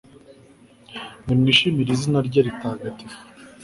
nimwishimire izina rye ritagatifu